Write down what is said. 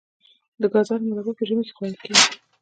د ګازرو مربا په ژمي کې خوړل کیږي.